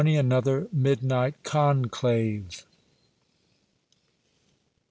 ANOTHER MIDNIGHT CONCLAVE.